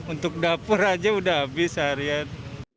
untuk dapur aja udah habis harian